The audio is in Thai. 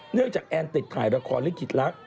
เนื่องจากแอนติดถ่ายประคอลิขิตรักษ์